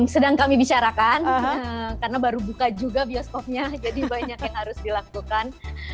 sedang kami bicarakan karena baru buka juga bioskopnya jadi banyak yang harus dilakukan